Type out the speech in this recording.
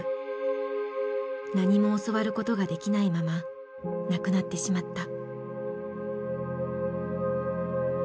何も教わることができないまま亡くなってしまった。